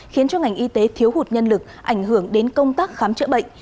khiến cho ngành y tế thiếu hụt nhân lực ảnh hưởng đến công tác khám chữa bệnh